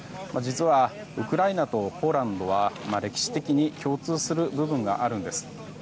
実はウクライナとポーランドは歴史的に共通する部分があるんです。